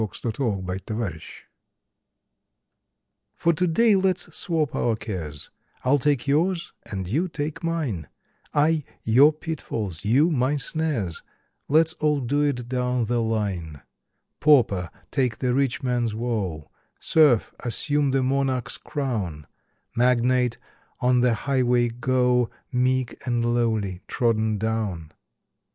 February Sixth EXCHANGES "Tj^OR to day let's swap our cares — A I'll take yours and you take mine: I your pitfalls, you my snares — Let's all do it down the line. Pauper take the rich man's woe; Serf assume the Monarch's crown; Magnate on the highway go Meek and lowly, trodden down.